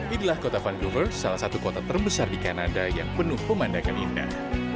inilah kota vancouver salah satu kota terbesar di kanada yang penuh pemandangan indah